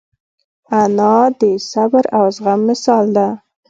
انا د صبر او زغم مثال ده